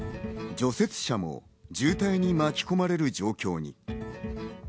除雪車も渋滞に巻き込まれる状況に。